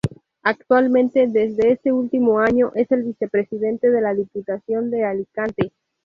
Actualmente desde este último año es el Vicepresidente de la Diputación de Alicante.